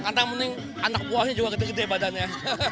karena mending anak buahnya juga gede gede badannya